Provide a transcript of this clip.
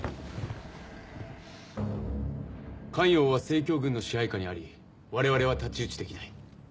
咸陽は成軍の支配下にあり我々は太刀打ちできない。